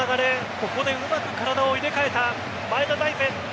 ここでうまく体を入れ替えた前田大然。